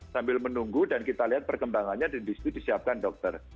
sambil menunggu dan kita lihat perkembangannya disitu disiapkan dokter